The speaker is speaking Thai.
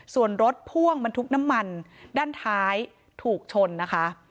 ส่วนรถพ่วงบรรทุกน้ำมันด้านท้ายถูกชนนะคะ